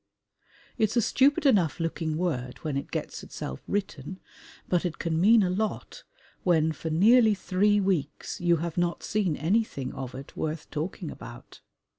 It's a stupid enough looking word when it gets itself written, but it can mean a lot when for nearly three weeks you have not seen anything of it worth talking about.